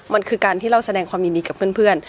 มันคือการที่เราแสดงความยินดีกับเพื่อน